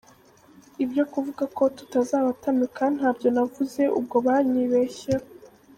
ibyo kuvuga ko tutazabatamika ntabyo navuze ubwo banyibeshyeho .